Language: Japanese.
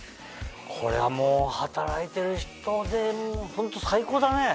これはもう働いてる人でもホント最高だね！